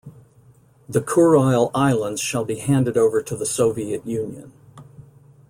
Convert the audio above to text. The Kurile Islands shall be handed over to the Soviet Union.